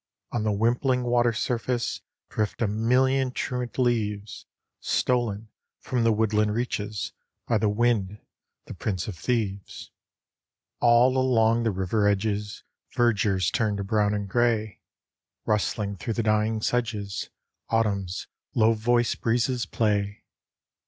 On the wimpling water's surface Drift a million truant leaves, Stolen from the woodland reaches By the wind, the prince of thieves. All along the river edges Verdure's turned to brown and gray, Rustling through the dying sedges Autumn's low voiced breezes play.